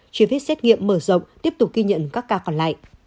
truy vết xét nghiệm mở rộng tiếp tục ghi nhận các ca còn lại